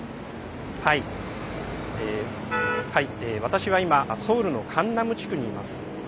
私は今、ソウルのカンナム地区にいます。